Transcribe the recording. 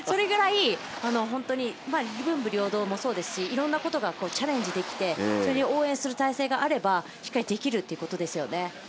それぐらい文武両道もそうですしいろんなことにチャレンジできて応援する体制があればできるという。